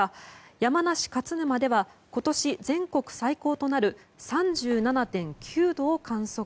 山梨・勝沼では今年、全国最高となる３７．９度を観測。